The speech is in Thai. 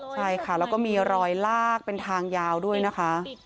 ใช่ค่ะแล้วก็มีรอยลากเป็นทางยาวด้วยนะคะ